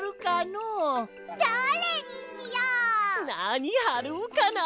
なにはろうかな。